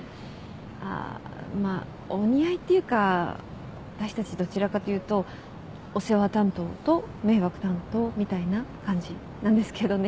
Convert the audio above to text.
あっまあお似合いっていうか私たちどちらかというとお世話担当と迷惑担当みたいな感じなんですけどね。